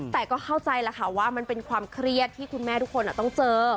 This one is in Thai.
แต่ก็เข้าใจแล้วค่ะว่ามันเป็นความเครียดที่คุณแม่ทุกคนต้องเจอ